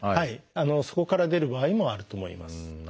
そこから出る場合もあると思います。